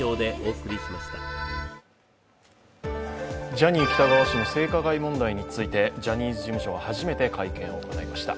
ジャニー喜多川氏の性加害問題についてジャニーズ事務所が初めて会見を行いました。